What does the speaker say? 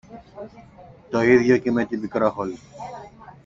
Το ίδιο και με την Πικρόχολη.